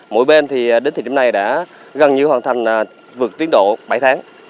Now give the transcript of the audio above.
mỗi bên đến thời điểm này đã gần như hoàn thành vượt tiến độ bảy tháng